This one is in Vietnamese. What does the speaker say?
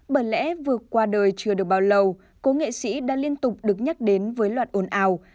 bởi lẽ vừa qua đời chưa được bao lâu cô nghệ sĩ đã liên tục được nhắc đến với loạt ổn hào